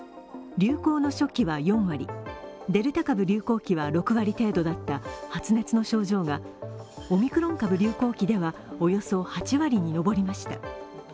流行の初期は４割、デルタ株流行期は６割程度だった発熱の症状がオミクロン株流行期ではおよそ８割に上りました。